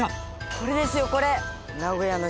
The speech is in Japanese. これですよこれ！